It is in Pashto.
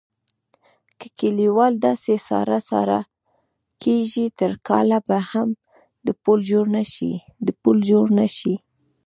که کیوال داسې ساړه ساړه کېږي تر کاله به هم د پول جوړ نشي.